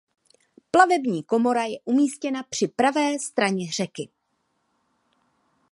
Plavební komora je umístěna při pravé straně řeky.